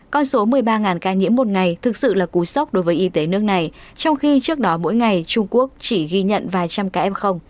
con số một mươi ba ca nhiễm một ngày thực sự là cú sốc đối với y tế nước này trong khi trước đó mỗi ngày trung quốc chỉ ghi nhận vài trăm cám không